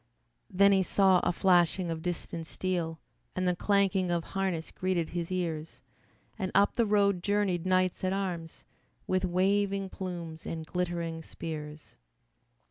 Then he saw a flashing of distant steel And the clanking of harness greeted his ears, And up the road journeyed knights at arms, With waving plumes and glittering spears.